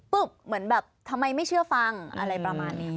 เหมือนแบบทำไมไม่เชื่อฟังอะไรประมาณนี้